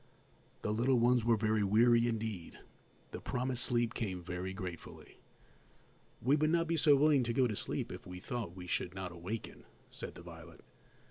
The little ones were very weary indeed. The promised sleep came very gratefully. "We would not be so willing to go to sleep if we thought we should not awaken," said the violet.